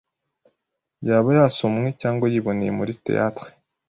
yaba yasomwe cyangwa yiboneye muri theatre